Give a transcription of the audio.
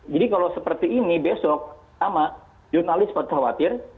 jadi kalau seperti ini besok sama jurnalis pasti khawatir